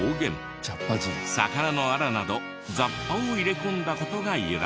魚のアラなど雑把を入れ込んだ事が由来。